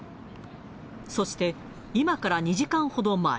そして、今から２時間ほど前。